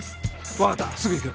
わかったすぐ行く。